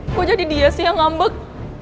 aku jadi dia sih yang ngambek